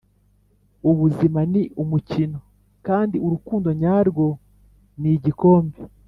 ubuzima ni umukino kandi urukundo nyarwo nigikombe.